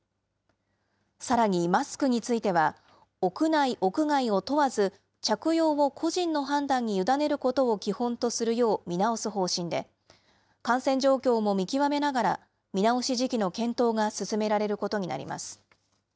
さらに、マスクについては、屋内、屋外を問わず、着用を個人の判断に委ねることを基本とするよう見直す方針で、感染状況も見極めながら、見直し時期の検討が進められることになります。